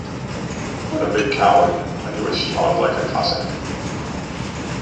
What a big coward, when he was strong like a Cossack!